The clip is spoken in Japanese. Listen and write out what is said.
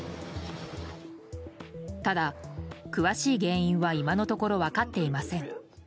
ただ、詳しい原因は今のところ分かっていません。